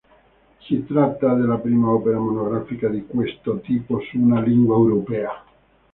Si tratta della prima opera monografica di questo tipo su una lingua europea.